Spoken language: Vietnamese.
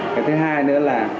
cái thứ hai nữa là